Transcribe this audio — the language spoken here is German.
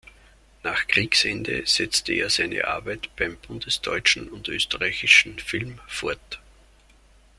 Nach Kriegsende setzte er seine Arbeit beim bundesdeutschen und österreichischen Film fort.